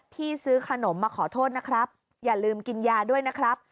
ซื้อขนมมาขอโทษนะครับอย่าลืมกินยาด้วยนะครับ